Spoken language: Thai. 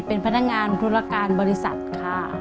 เป็นพนักงานธุรการบริษัทค่ะ